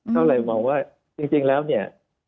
ก็เลยมองว่าจริงแล้วเนี่ย